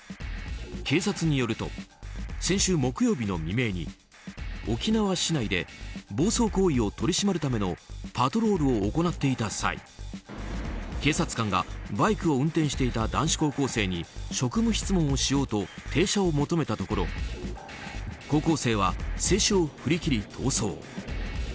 警察によると先週木曜日の未明に沖縄市内で暴走行為を取り締まるためのパトロールを行っていた際警察官がバイクを運転していた男子高校生に職務質問をしようと停車を求めたところ高校生は制止を振り切り逃走。